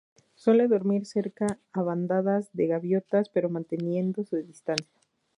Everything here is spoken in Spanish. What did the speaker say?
Suele dormir cerca a bandadas de gaviotas pero manteniendo su distancia.